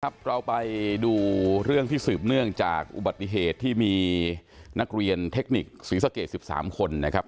เราไปดูเรื่องที่สืบเนื่องจากอุบัติเหตุที่มีนักเรียนเทคนิคศรีสะเกด๑๓คนนะครับ